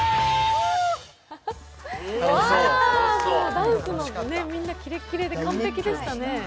ダンス、みんなキレキッレで完璧でしたね。